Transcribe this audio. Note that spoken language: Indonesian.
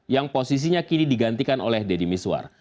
yang posisinya kini digantikan oleh deddy miswar